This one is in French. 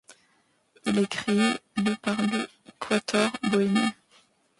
Il est créé le par le Quatuor Bohémien.